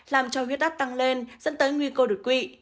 làm cho huyết đắt tăng lên dẫn tới nguy cơ đột quỵ